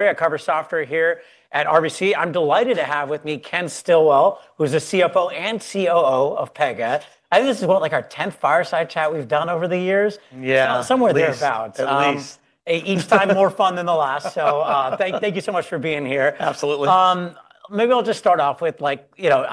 At Cover Software here at RBC. I'm delighted to have with me Ken Stillwell, who's the CFO and COO of Pega. I think this is what, like, our 10th fireside chat we've done over the years. Yeah. Somewhere thereabouts. At least. Each time more fun than the last. Thank you so much for being here. Absolutely. Maybe I'll just start off with, like, you know,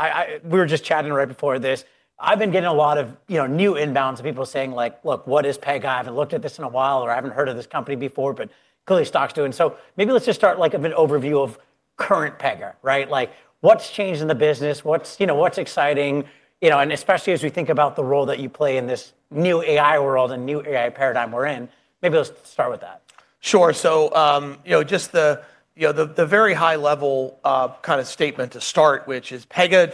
we were just chatting right before this. I've been getting a lot of, you know, new inbounds of people saying, like, look, what is Pega? I haven't looked at this in a while, or I haven't heard of this company before, but clearly stock's doing. Maybe let's just start, like, an overview of current Pega, right? Like, what's changed in the business? What's, you know, what's exciting? You know, and especially as we think about the role that you play in this new AI world and new AI paradigm we're in, maybe let's start with that. Sure. So, you know, just the, you know, the very high-level kind of statement to start, which is Pega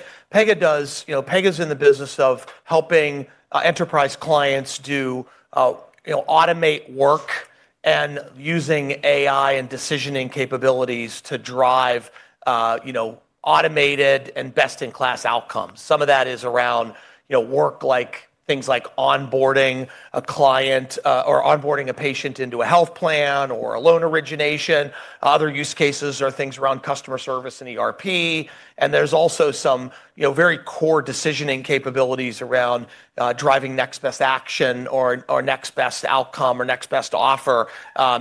does, you know, Pega's in the business of helping enterprise clients do, you know, automate work and using AI and decisioning capabilities to drive, you know, automated and best-in-class outcomes. Some of that is around, you know, work like things like onboarding a client or onboarding a patient into a health plan or a loan origination. Other use cases are things around customer service and ERP. There's also some, you know, very core decisioning capabilities around driving next-best-action or next-best-outcome or next-best-offer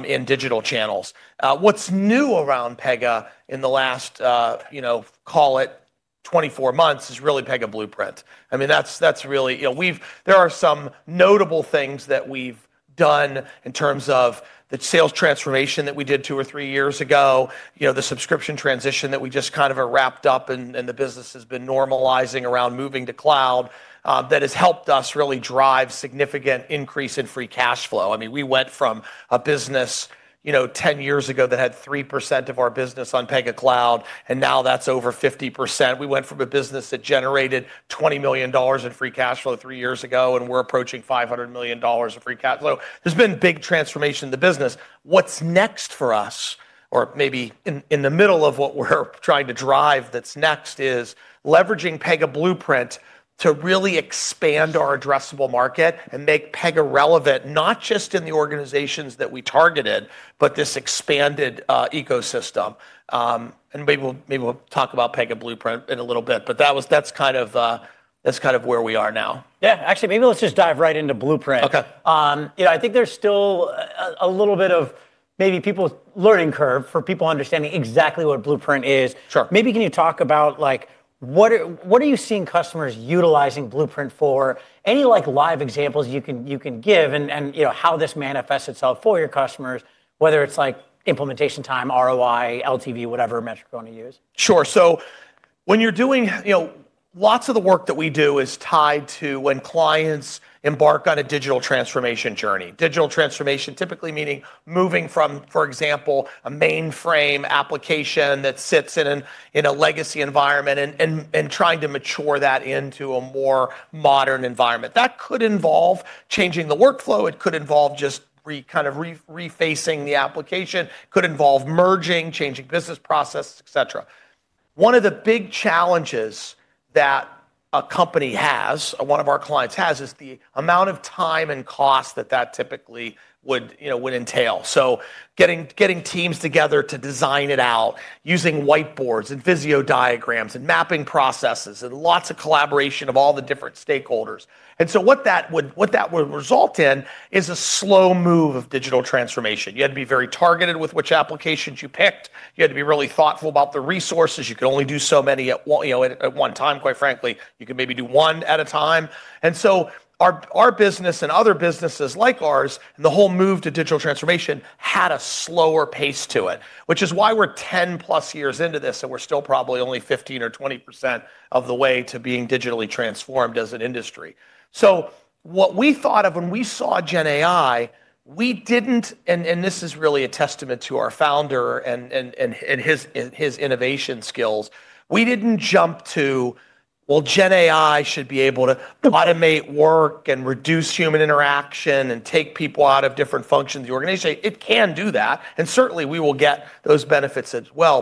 in digital channels. What's new around Pega in the last, you know, call it 24 months is really Pega Blueprint. I mean, that's really, you know, we've, there are some notable things that we've done in terms of the sales transformation that we did two or three years ago, you know, the subscription transition that we just kind of wrapped up and the business has been normalizing around moving to cloud that has helped us really drive significant increase in Free Cash Flow. I mean, we went from a business, you know, 10 years ago that had 3% of our business on Pega Cloud, and now that's over 50%. We went from a business that generated $20 million in free cash flow three years ago, and we're approaching $500 million of Free Cash Flow. There's been big transformation in the business. What's next for us, or maybe in the middle of what we're trying to drive that's next, is leveraging Pega Blueprint to really expand our addressable market and make Pega relevant, not just in the organizations that we targeted, but this expanded ecosystem. Maybe we'll talk about Pega Blueprint in a little bit, but that's kind of where we are now. Yeah. Actually, maybe let's just dive right into Blueprint. Okay. You know, I think there's still a little bit of maybe people's learning curve for people understanding exactly what Blueprint is. Sure. Maybe can you talk about, like, what are you seeing customers utilizing Blueprint for? Any, like, live examples you can give and, you know, how this manifests itself for your customers, whether it's, like, implementation time, ROI, LTV, whatever metric you want to use? Sure. When you're doing, you know, lots of the work that we do is tied to when clients embark on a digital transformation journey. Digital transformation typically meaning moving from, for example, a mainframe application that sits in a legacy environment and trying to mature that into a more modern environment. That could involve changing the workflow. It could involve just kind of refacing the application. It could involve merging, changing business processes, et cetera. One of the big challenges that a company has, one of our clients has, is the amount of time and cost that that typically would, you know, would entail. Getting teams together to design it out using whiteboards and Visio diagrams and mapping processes and lots of collaboration of all the different stakeholders. What that would result in is a slow move of digital transformation. You had to be very targeted with which applications you picked. You had to be really thoughtful about the resources. You could only do so many at one time, quite frankly. You could maybe do one at a time. Our business and other businesses like ours and the whole move to digital transformation had a slower pace to it, which is why we're 10-plus years into this and we're still probably only 15% or 20% of the way to being digitally transformed as an industry. What we thought of when we saw GenAI, we didn't, and this is really a testament to our Founder and his innovation skills, we didn't jump to, well, GenAI should be able to automate work and reduce human interaction and take people out of different functions of the organization. It can do that. We will certainly get those benefits as well.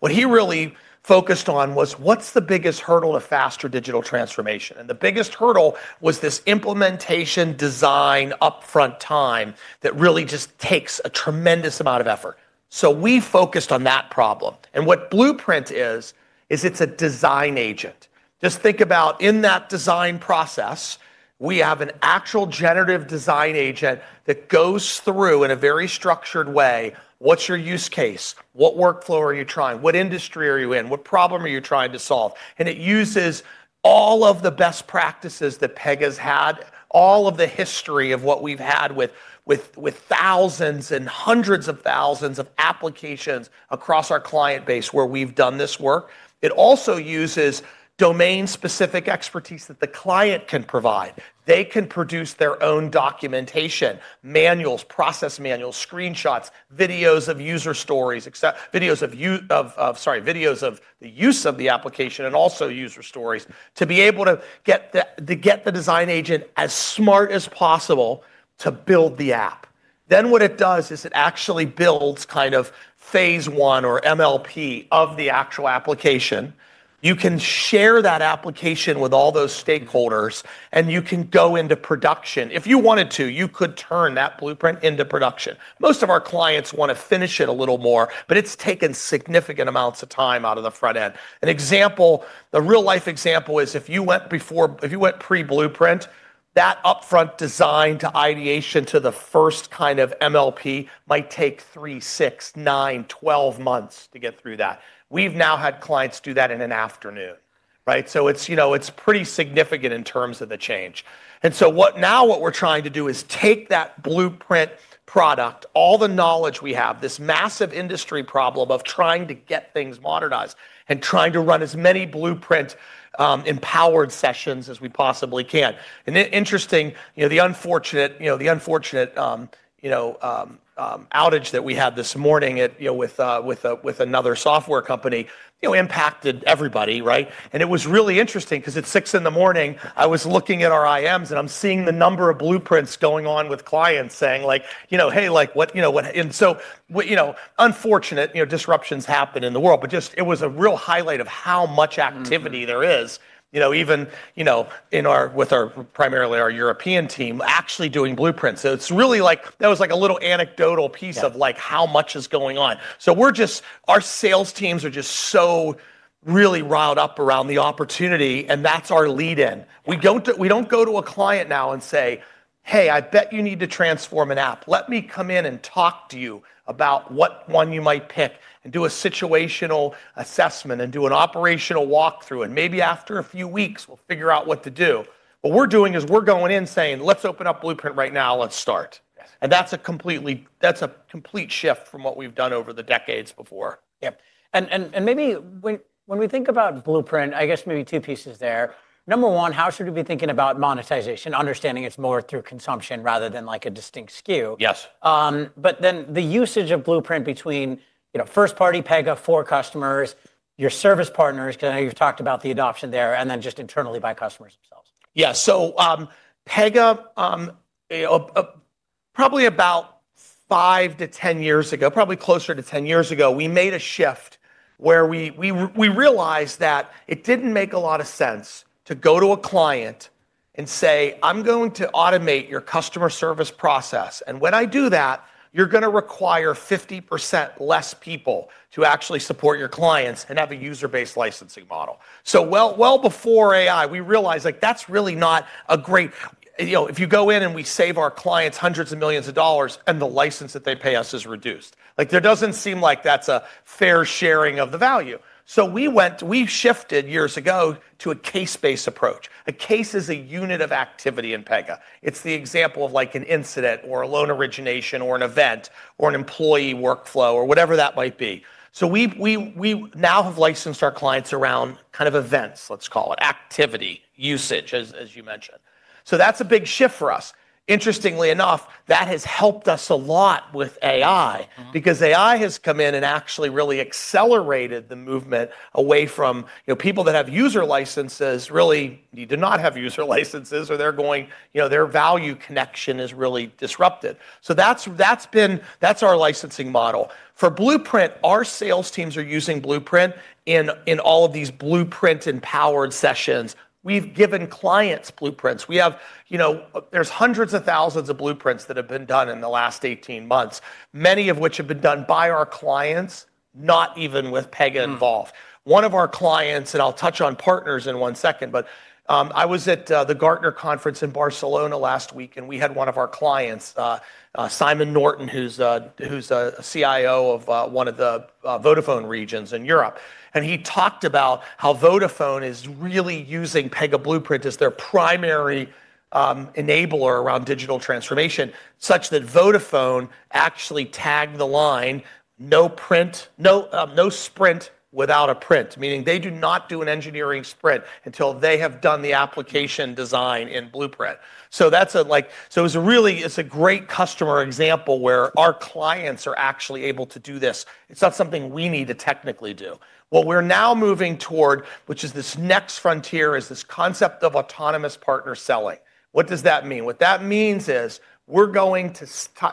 What he really focused on was what's the biggest hurdle to faster digital transformation? The biggest hurdle was this implementation design upfront time that really just takes a tremendous amount of effort. We focused on that problem. What Blueprint is, is it's a Design Agent. Just think about in that design process, we have an actual Generative Design Agent that goes through in a very structured way, what's your use case? What Workflow are you trying? What Industry are you in? What Problem are you trying to solve? It uses all of the best practices that Pega's had, all of the history of what we've had with thousands and hundreds of thousands of applications across our client base where we've done this work. It also uses domain-specific expertise that the client can provide. They can produce their own documentation, manuals, process manuals, screenshots, videos of user stories, videos of, sorry, videos of the use of the application and also user Stories to be able to get the Design Agent as smart as possible to build the app. Then what it does is it actually builds kind of Phase I or MLP of the actual application. You can share that application with all those Stakeholders and you can go into Production. If you wanted to, you could turn that Blueprint into Production. Most of our clients want to finish it a little more, but it's taken significant amounts of time out of the front end. An example, the real-life example is if you went before, if you went pre-Blueprint, that upfront design-to-ideation to the first kind of MLP might take three, six, nine, 12 months to get through that. We've now had clients do that in an afternoon, right? It's pretty significant in terms of the change. What we're trying to do is take that Blueprint product, all the knowledge we have, this massive industry problem of trying to get things modernized and trying to run as many Blueprint-empowered sessions as we possibly can. Interesting, the unfortunate outage that we had this morning with another software company impacted everybody, right? It was really interesting because at six in the morning, I was looking at our IMs and I'm seeing the number of Blueprints going on with clients saying like, you know, hey, like, what, you know, what, and, you know, unfortunate, you know, disruptions happen in the world, but just it was a real highlight of how much activity there is, you know, even, you know, in our, with our primarily our European Team actually doing Blueprints. It is really like, that was like a little anecdotal piece of like how much is going on. We are just, our sales teams are just so really riled up around the opportunity and that's our lead-in. We do not go to a client now and say, hey, I bet you need to transform an app. Let me come in and talk to you about what one you might pick and do a Situational Assessment and do an Operational Walkthrough and maybe after a few weeks we'll figure out what to do. What we're doing is we're going in saying, let's open up Blueprint right now, let's start. And that's a completely, that's a complete shift from what we've done over the decades before. Yeah. Maybe when we think about Blueprint, I guess maybe two pieces there. Number one, how should we be thinking about monetization, understanding it's more through consumption rather than like a distinct SKU? Yes. Then the usage of Blueprint between, you know, first-party Pega for customers, your service partners, because I know you've talked about the adoption there, and then just internally by customers themselves. Yeah. So Pega, probably about five to ten years ago, probably closer to ten years ago, we made a shift where we realized that it didn't make a lot of sense to go to a client and say, I'm going to automate your customer service process. And when I do that, you're going to require 50% less people to actually support your clients and have a user-based licensing model. So well before AI, we realized like that's really not a great, you know, if you go in and we save our clients hundreds of millions of dollars and the license that they pay us is reduced. Like there doesn't seem like that's a fair sharing of the value. We went, we shifted years ago to a case-based approach. A case is a unit of activity in Pega. It's the example of like an incident or a loan origination or an event or an employee workflow or whatever that might be. We now have licensed our clients around kind of events, let's call it activity usage, as you mentioned. That's a big shift for us. Interestingly enough, that has helped us a lot with AI because AI has come in and actually really accelerated the movement away from, you know, people that have user licenses really need to not have user licenses or they're going, you know, their value connection is really disrupted. That's been, that's our licensing model. For Blueprint, our sales teams are using Blueprint in all of these Blueprint-empowered sessions. We've given clients Blueprints. We have, you know, there's hundreds of thousands of Blueprints that have been done in the last 18 months, many of which have been done by our clients, not even with Pega involved. One of our clients, and I'll touch on partners in one second, but I was at the Gartner Conference in Barcelona last week and we had one of our clients, Simon Norton, who's a CIO of one of the Vodafone regions in Europe. He talked about how Vodafone is really using Pega Blueprint as their primary enabler around digital transformation, such that Vodafone actually tagged the line, no print, no sprint without a print, meaning they do not do an engineering sprint until they have done the application design in Blueprint. That's a like, so it was a really, it's a great customer example where our clients are actually able to do this. It's not something we need to technically do. What we're now moving toward, which is this next frontier, is this concept of autonomous partner selling. What does that mean? What that means is we're going to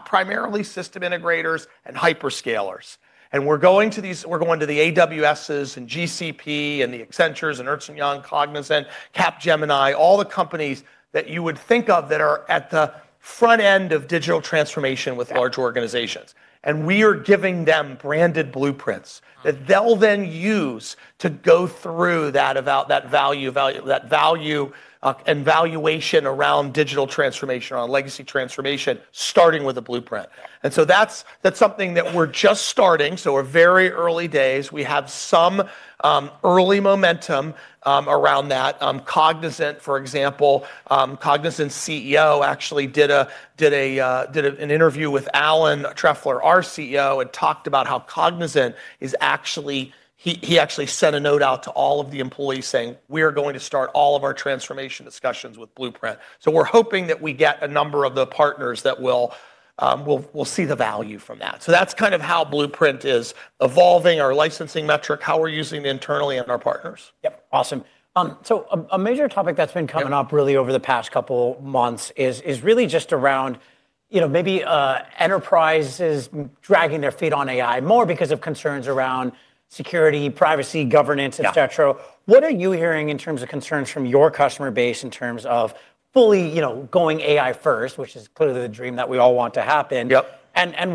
primarily system integrators and hyperscalers. We're going to the AWSs and GCP and the Accentures and Ernst & Young, Cognizant, Capgemini, all the companies that you would think of that are at the front end of digital transformation with large organizations. We are giving them branded Blueprints that they'll then use to go through that value, that value and valuation around digital transformation or legacy transformation starting with a Blueprint. That's something that we're just starting. We're very early days. We have some early momentum around that. Cognizant, for example, Cognizant's CEO actually did an interview with Alan Trefler, our CEO, and talked about how Cognizant is actually, he actually sent a note out to all of the employees saying, we are going to start all of our transformation discussions with Blueprint. We are hoping that we get a number of the partners that will see the value from that. That is kind of how Blueprint is evolving, our licensing metric, how we are using it internally and our partners. Yep. Awesome. A major topic that's been coming up really over the past couple months is really just around, you know, maybe enterprises dragging their feet on AI more because of concerns around security, privacy, governance, et cetera. What are you hearing in terms of concerns from your customer base in terms of fully, you know, going AI first, which is clearly the dream that we all want to happen? Yep.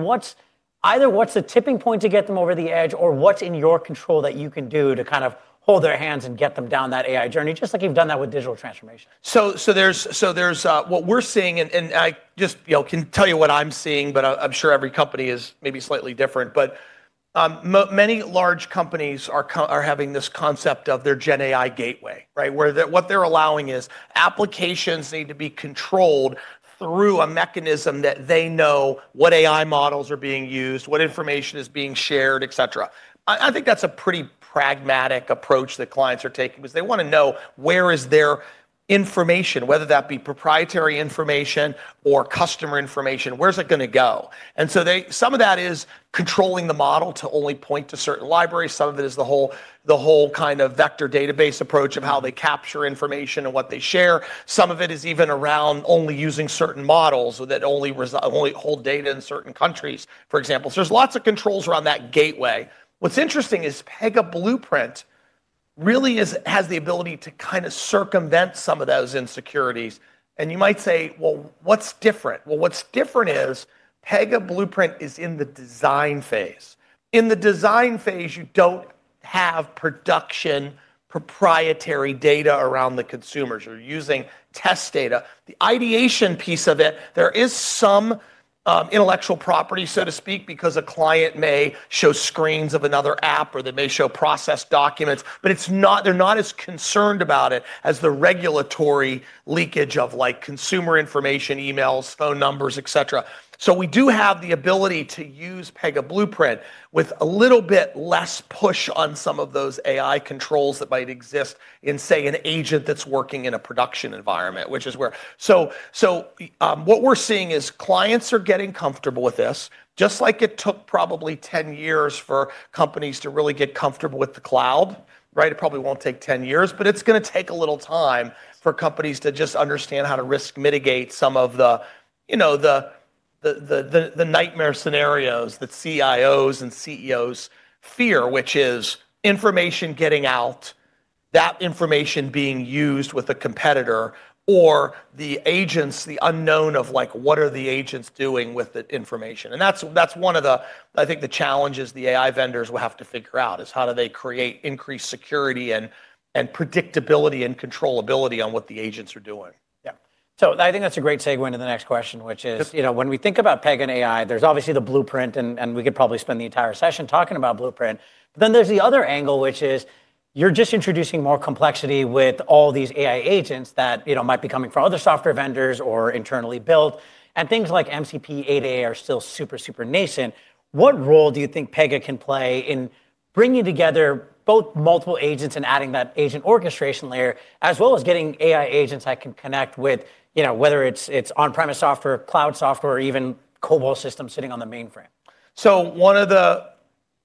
What's, either what's the tipping point to get them over the edge or what's in your control that you can do to kind of hold their hands and get them down that AI journey, just like you've done that with digital transformation? There's what we're seeing, and I just, you know, can tell you what I'm seeing, but I'm sure every company is maybe slightly different. Many large companies are having this concept of their GenAI gateway, right? Where what they're allowing is applications need to be controlled through a mechanism that they know what AI models are being used, what information is being shared, et cetera. I think that's a pretty pragmatic approach that clients are taking because they want to know where is their information, whether that be proprietary information or customer information, where's it going to go? Some of that is controlling the model to only point to certain libraries. Some of it is the whole kind of vector database approach of how they capture information and what they share. Some of it is even around only using certain models that only hold data in certain countries, for example. There are lots of controls around that gateway. What's interesting is Pega Blueprint really has the ability to kind of circumvent some of those insecurities. You might say, what's different? What's different is Pega Blueprint is in the design phase. In the design phase, you don't have production proprietary data around the consumers. You're using test data. The ideation piece of it, there is some intellectual property, so to speak, because a client may show screens of another app or they may show process documents, but they're not as concerned about it as the regulatory leakage of consumer information, emails, phone numbers, et cetera. We do have the ability to use Pega Blueprint with a little bit less push on some of those AI controls that might exist in, say, an agent that's working in a production environment, which is where, what we're seeing is clients are getting comfortable with this, just like it took probably ten years for companies to really get comfortable with the cloud, right? It probably won't take ten years, but it's going to take a little time for companies to just understand how to risk mitigate some of the, you know, the nightmare scenarios that CIOs and CEOs fear, which is information getting out, that information being used with a competitor or the agents, the unknown of like what are the agents doing with the information. That's one of the, I think the challenges the AI vendors will have to figure out is how do they create increased security and predictability and controllability on what the agents are doing. Yeah. I think that's a great segue into the next question, which is, you know, when we think about Pega and AI, there's obviously the Blueprint and we could probably spend the entire session talking about Blueprint. Then there's the other angle, which is you're just introducing more complexity with all these AI agents that, you know, might be coming from other software vendors or internally built. Things like MCP 8A are still super, super nascent. What role do you think Pega can play in bringing together both multiple agents and adding that agent orchestration layer, as well as getting AI agents that can connect with, you know, whether it's on-premise software, cloud software, or even COBOL systems sitting on the mainframe? One of the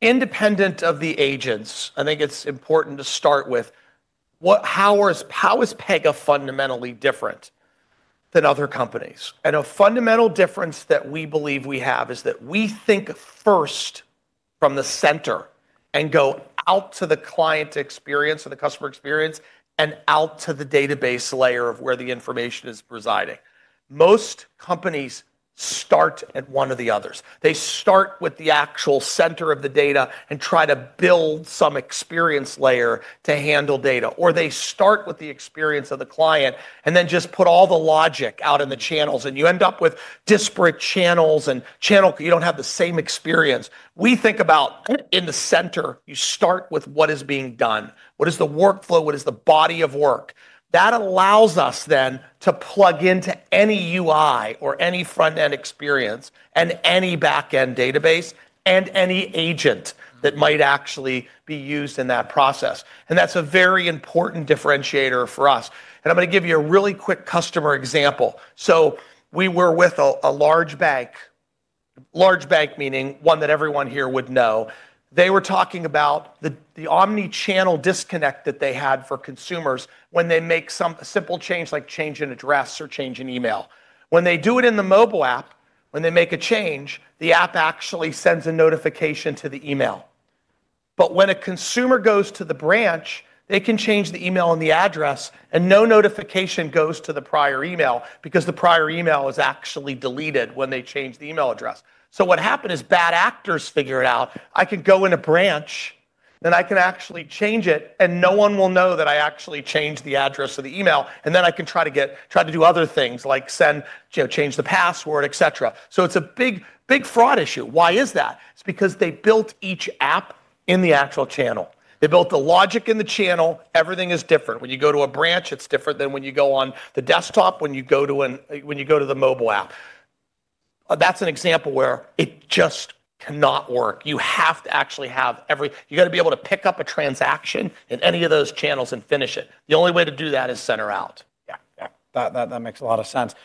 independent of the agents, I think it's important to start with, how is Pega fundamentally different than other companies? A fundamental difference that we believe we have is that we think first from the center and go out to the client experience or the customer experience and out to the database layer of where the information is residing. Most companies start at one of the others. They start with the actual center of the data and try to build some experience layer to handle data. Or they start with the experience of the client and then just put all the logic out in the channels. You end up with disparate channels and channel, you don't have the same experience. We think about in the center, you start with what is being done, what is the workflow, what is the body of work. That allows us then to plug into any UI or any front-end experience and any back-end database and any agent that might actually be used in that process. That is a very important differentiator for us. I'm going to give you a really quick customer example. We were with a large bank, large bank meaning one that everyone here would know. They were talking about the omnichannel disconnect that they had for consumers when they make some simple change like change an address or change an email. When they do it in the mobile app, when they make a change, the app actually sends a notification to the email. When a consumer goes to the branch, they can change the email and the address and no notification goes to the prior email because the prior email is actually deleted when they change the email address. What happened is bad actors figure it out. I can go in a branch and I can actually change it and no one will know that I actually changed the address or the email. Then I can try to do other things like send, you know, change the password, et cetera. It is a big, big fraud issue. Why is that? It is because they built each app in the actual channel. They built the logic in the channel. Everything is different. When you go to a branch, it is different than when you go on the desktop, when you go to the mobile app. That is an example where it just cannot work. You have to actually have every, you got to be able to pick up a transaction in any of those channels and finish it. The only way to do that is center-out. Yeah. Yeah. That makes a lot of sense.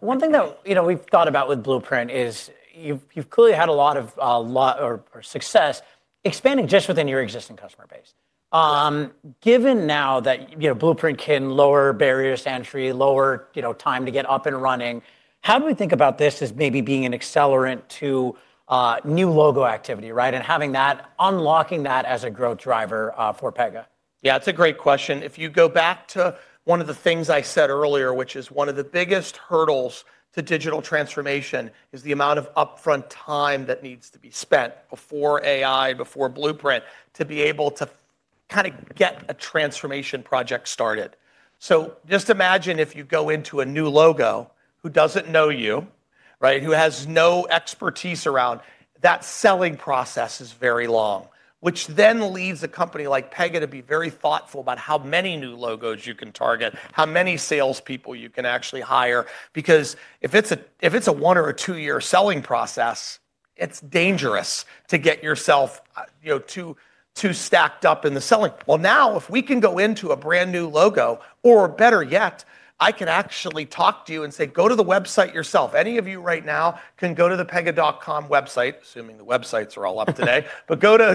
One thing that, you know, we've thought about with Blueprint is you've clearly had a lot of success expanding just within your existing customer base. Given now that, you know, Blueprint can lower barriers to entry, lower, you know, time to get up and running, how do we think about this as maybe being an accelerant to new logo activity, right? Having that, unlocking that as a growth driver for Pega? Yeah, it's a great question. If you go back to one of the things I said earlier, which is one of the biggest hurdles to digital transformation is the amount of upfront time that needs to be spent before AI, before Blueprint, to be able to kind of get a transformation project started. Just imagine if you go into a new logo who doesn't know you, right? Who has no expertise around that selling process is very long, which then leads a company like Pega to be very thoughtful about how many new logos you can target, how many salespeople you can actually hire. Because if it's a one or a two-year selling process, it's dangerous to get yourself, you know, too stacked up in the selling. Now if we can go into a brand-new logo or better yet, I can actually talk to you and say, go to the website yourself. Any of you right now can go to the pega.com website, assuming the websites are all up today, but go to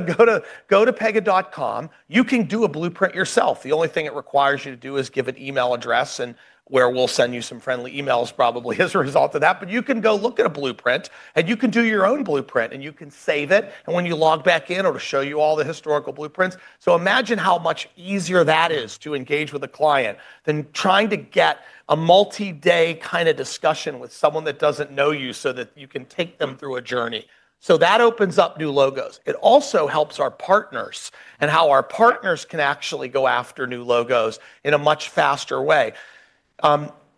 pega.com. You can do a Blueprint yourself. The only thing it requires you to do is give an email address and where we'll send you some friendly emails probably as a result of that. You can go look at a Blueprint and you can do your own Blueprint and you can save it. When you log back in, it'll show you all the historical Blueprints. Imagine how much easier that is to engage with a client than trying to get a multi-day kind of discussion with someone that does not know you so that you can take them through a journey. That opens up new logos. It also helps our partners and how our partners can actually go after new logos in a much faster way.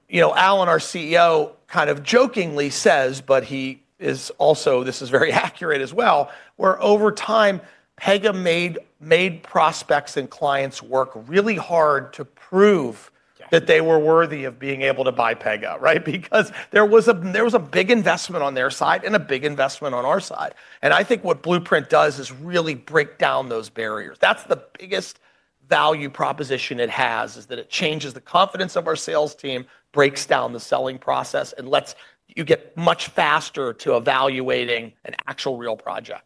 You know, Alan, our CEO, kind of jokingly says, but he is also, this is very accurate as well, where over time Pega made prospects and clients work really hard to prove that they were worthy of being able to buy Pega, right? Because there was a big investment on their side and a big investment on our side. I think what Blueprint does is really break down those barriers. That's the biggest value proposition it has is that it changes the confidence of our sales team, breaks down the selling process, and lets you get much faster to evaluating an actual real project.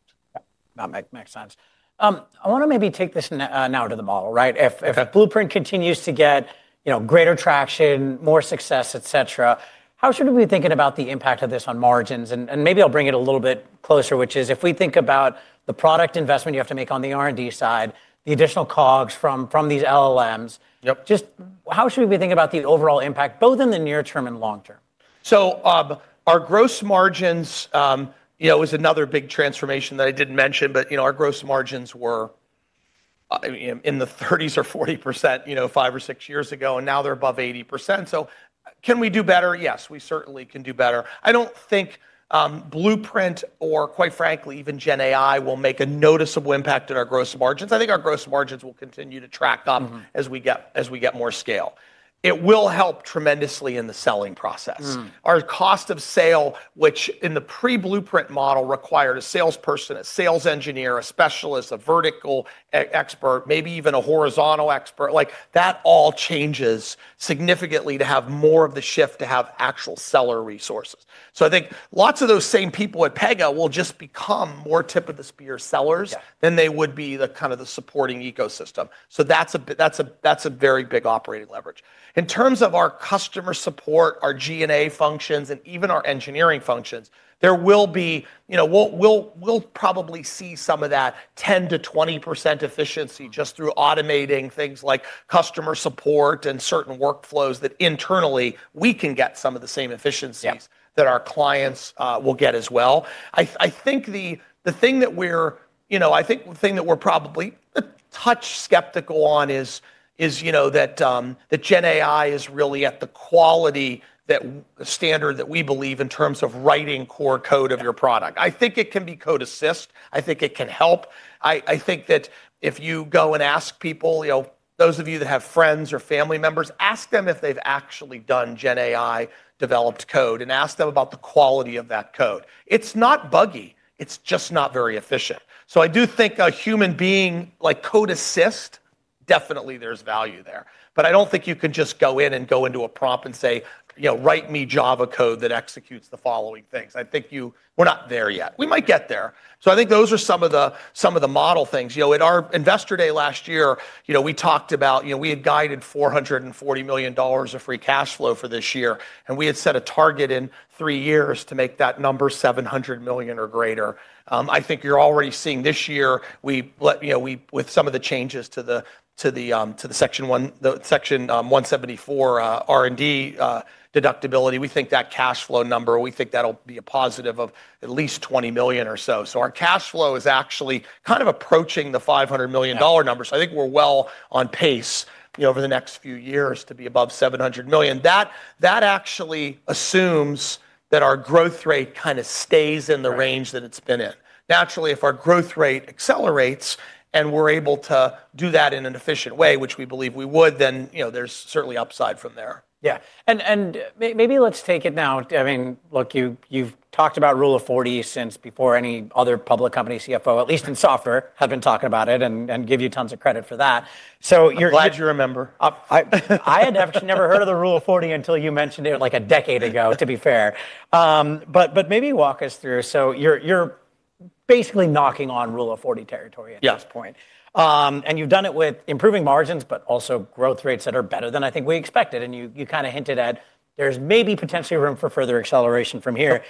That makes sense. I want to maybe take this now to the model, right? If Blueprint continues to get, you know, greater traction, more success, et cetera, how should we be thinking about the impact of this on margins? Maybe I'll bring it a little bit closer, which is if we think about the product investment you have to make on the R&D side, the additional COGS from these LLMs, just how should we be thinking about the overall impact both in the near term and long term? Our gross margins, you know, is another big transformation that I didn't mention, but you know, our gross margins were in the 30% or 40%, you know, five or six years ago, and now they're above 80%. Can we do better? Yes, we certainly can do better. I don't think Blueprint or quite frankly even GenAI will make a noticeable impact in our gross margins. I think our gross margins will continue to track up as we get more scale. It will help tremendously in the selling process. Our cost of sale, which in the pre-Blueprint model required a salesperson, a sales engineer, a specialist, a vertical expert, maybe even a horizontal expert, like that all changes significantly to have more of the shift to have actual seller resources. I think lots of those same people at Pega will just become more tip-of-the-spear sellers than they would be the kind of the supporting ecosystem. That is a very big operating leverage. In terms of our customer support, our G&A functions, and even our engineering functions, there will be, you know, we'll probably see some of that 10%-20% efficiency just through automating things like customer support and certain workflows that internally we can get some of the same efficiencies that our clients will get as well. I think the thing that we're, you know, I think the thing that we're probably a touch skeptical on is, you know, that GenAI is really at the quality that standard that we believe in terms of writing core code of your product. I think it can be code assist. I think it can help. I think that if you go and ask people, you know, those of you that have friends or family members, ask them if they've actually done GenAI developed code and ask them about the quality of that code. It's not buggy. It's just not very efficient. I do think a human being like code assist, definitely there's value there. I don't think you can just go in and go into a prompt and say, you know, write me Java code that executes the following things. I think you, we're not there yet. We might get there. I think those are some of the model things. You know, at our investor day last year, you know, we talked about, you know, we had guided $440 million of free cash flow for this year and we had set a target in three years to make that number $700 million or greater. I think you're already seeing this year, we, you know, with some of the changes to the Section 174 R&D deductibility, we think that cash flow number, we think that'll be a positive of at least $20 million or so. Our cash flow is actually kind of approaching the $500 million number. I think we're well on pace, you know, over the next few years to be above $700 million. That actually assumes that our growth rate kind of stays in the range that it's been in. Naturally, if our growth rate accelerates and we're able to do that in an efficient way, which we believe we would, then, you know, there's certainly upside from there. Yeah. Maybe let's take it now. I mean, look, you've talked about Rule of 40 since before any other public company CFO, at least in software, had been talking about it and give you tons of credit for that. So you're. Glad you remember. I had never heard of the Rule of 40 until you mentioned it like a decade ago, to be fair. Maybe walk us through. You are basically knocking on Rule of 40 territory at this point. You have done it with improving margins, but also growth rates that are better than I think we expected. You kind of hinted at there is maybe potentially room for further acceleration from here.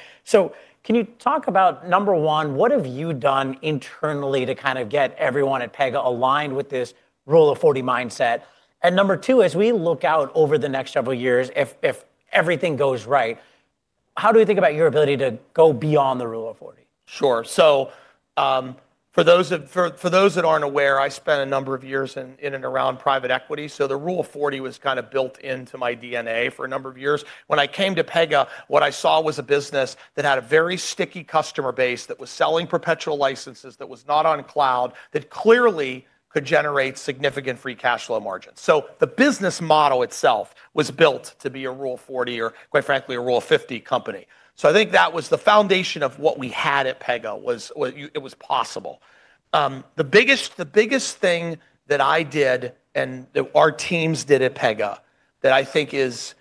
Can you talk about number one, what have you done internally to kind of get everyone at Pega aligned with this Rule of 40 mindset? Number two, as we look out over the next several years, if everything goes right, how do we think about your ability to go beyond the Rule of 40? Sure. For those that aren't aware, I spent a number of years in and around private equity. The Rule of 40 was kind of built into my DNA for a number of years. When I came to Pega, what I saw was a business that had a very sticky customer base that was selling perpetual licenses, that was not on cloud, that clearly could generate significant free cash flow margins. The business model itself was built to be a Rule of 40 or quite frankly a Rule of 50 company. I think that was the foundation of what we had at Pega was it was possible. The biggest thing that I did and our teams did at Pega that I think is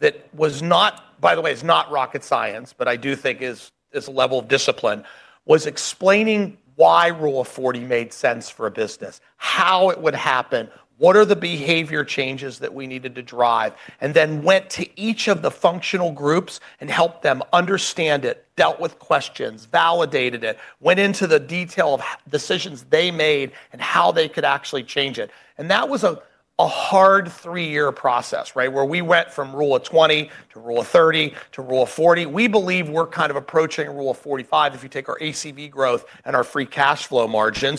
that was not, by the way, it's not rocket science, but I do think is a level of discipline, was explaining why Rule of 40 made sense for a business, how it would happen, what are the behavior changes that we needed to drive, and then went to each of the functional groups and helped them understand it, dealt with questions, validated it, went into the detail of decisions they made and how they could actually change it. That was a hard three-year process, right? Where we went from Rule of 20 to Rule of 30 to Rule of 40. We believe we're kind of approaching Rule of 45 if you take our ACV growth and our free cash flow margin.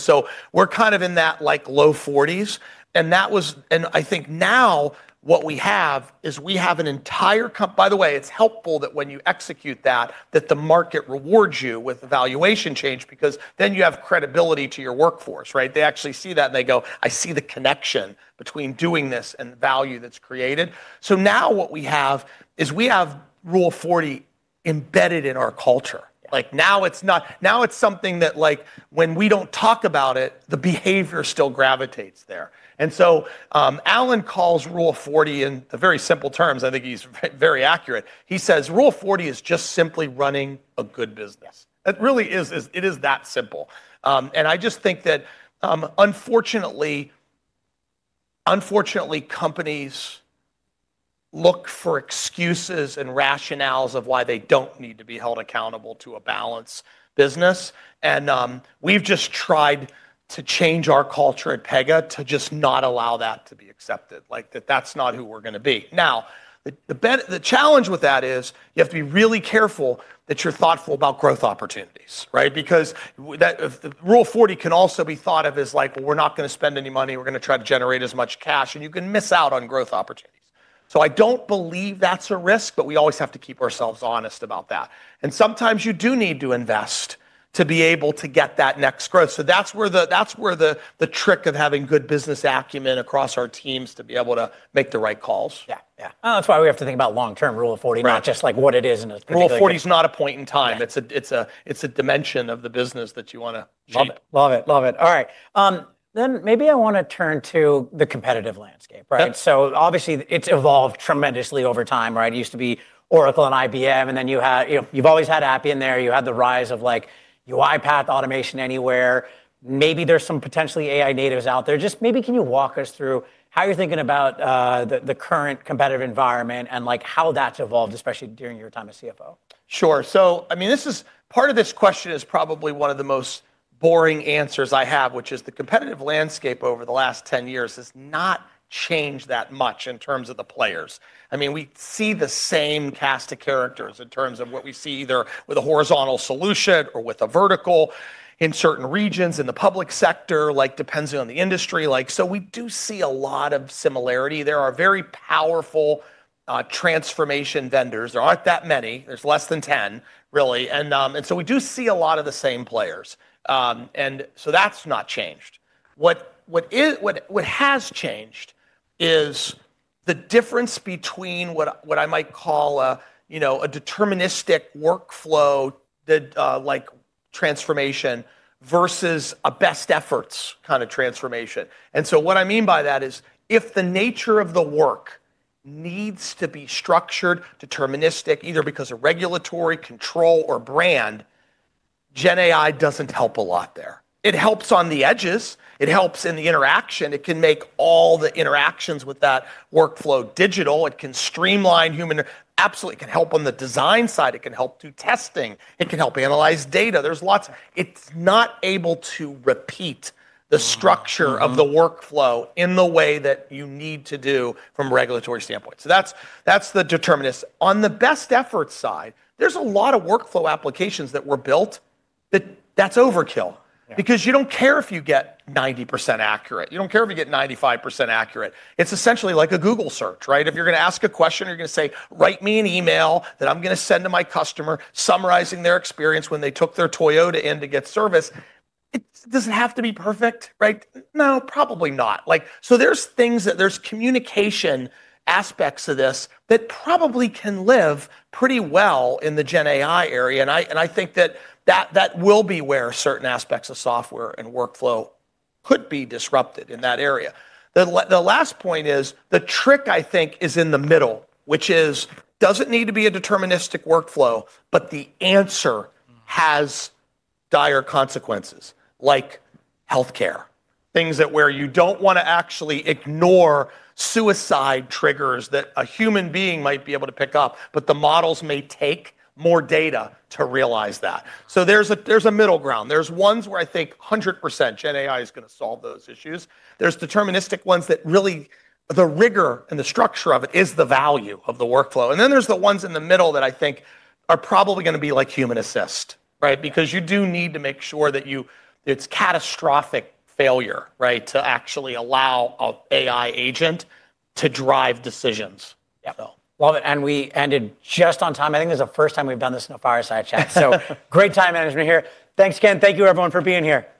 We're kind of in that like low 40s. That was, and I think now what we have is we have an entire company, by the way, it's helpful that when you execute that, that the market rewards you with a valuation change because then you have credibility to your workforce, right? They actually see that and they go, I see the connection between doing this and the value that's created. Now what we have is we have Rule of 40 embedded in our culture. Like now it's not, now it's something that like when we do not talk about it, the behavior still gravitates there. Alan calls Rule of 40 in very simple terms. I think he's very accurate. He says Rule of 40 is just simply running a good business. It really is, it is that simple. I just think that unfortunately, unfortunately companies look for excuses and rationales of why they do not need to be held accountable to a balanced business. We have just tried to change our culture at Pega to just not allow that to be accepted. Like that is not who we are going to be. Now, the challenge with that is you have to be really careful that you are thoughtful about growth opportunities, right? Because Rule of 40 can also be thought of as like, well, we are not going to spend any money. We are going to try to generate as much cash and you can miss out on growth opportunities. I do not believe that is a risk, but we always have to keep ourselves honest about that. Sometimes you do need to invest to be able to get that next growth. That's where the trick of having good business acumen across our teams to be able to make the right calls. Yeah. Yeah. That's why we have to think about long-term Rule of 40, not just like what it is, and it's pretty good. Rule of 40 is not a point in time. It's a dimension of the business that you want to live in. Love it. Love it. All right. Maybe I want to turn to the competitive landscape, right? Obviously it's evolved tremendously over time, right? It used to be Oracle and IBM and then you've always had Appian there. You had the rise of like UiPath, Automation Anywhere. Maybe there's some potentially AI natives out there. Just maybe can you walk us through how you're thinking about the current competitive environment and how that's evolved, especially during your time as CFO? Sure. I mean, this is part of this question is probably one of the most boring answers I have, which is the competitive landscape over the last 10 years has not changed that much in terms of the players. I mean, we see the same cast of characters in terms of what we see either with a horizontal solution or with a vertical in certain regions in the public sector, like depends on the industry. Like, we do see a lot of similarity. There are very powerful transformation vendors. There are not that many. There are less than 10 really. We do see a lot of the same players. That has not changed. What has changed is the difference between what I might call a, you know, a deterministic workflow like transformation versus a best-efforts kind of transformation. What I mean by that is if the nature of the work needs to be structured, deterministic, either because of regulatory control or brand, GenAI does not help a lot there. It helps on the edges. It helps in the interaction. It can make all the interactions with that workflow digital. It can streamline human. Absolutely. It can help on the design side. It can help do testing. It can help analyze data. There is lots. It is not able to repeat the structure of the workflow in the way that you need to do from a regulatory standpoint. That is the determinist. On the best efforts side, there is a lot of workflow applications that were built that that is overkill because you do not care if you get 90% accurate. You do not care if you get 95% accurate. It is essentially like a Google search, right? If you're going to ask a question, you're going to say, write me an email that I'm going to send to my customer summarizing their experience when they took their Toyota in to get service. It doesn't have to be perfect, right? No, probably not. Like, so there's things that there's communication aspects of this that probably can live pretty well in the GenAI area. I think that that will be where certain aspects of software and workflow could be disrupted in that area. The last point is the trick I think is in the middle, which is doesn't need to be a deterministic workflow, but the answer has dire consequences like healthcare, things that where you don't want to actually ignore suicide triggers that a human being might be able to pick up, but the models may take more data to realize that. There's a middle ground. There's ones where I think 100% GenAI is going to solve those issues. There's deterministic ones that really the rigor and the structure of it is the value of the workflow. And then there's the ones in the middle that I think are probably going to be like human assist, right? Because you do need to make sure that it's catastrophic failure, right? To actually allow an AI agent to drive decisions. Love it. We ended just on time. I think this is the first time we've done this in a Fireside Chat. Great time management here. Thanks again. Thank you everyone for being here. Awesome.